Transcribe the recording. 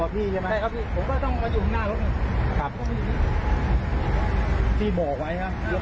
ผมก็ต้องมาอยู่หน้ารถหนึ่งครับต้องมาอยู่นี้พี่บอกไว้ครับ